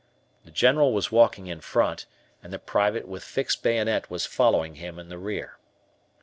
The General was walking in front, and the private with fixed bayonet was following him in the rear.